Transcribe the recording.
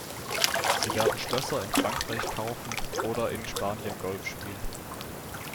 Sie werden Schlösser in Frankreich kaufen oder in Spanien Golf spielen.